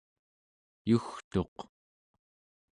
yugtuq